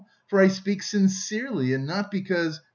For I speak sincerely and not because...